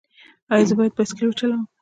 ایا زه باید سایکل وچلوم؟